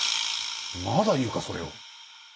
まだ言うかそれを。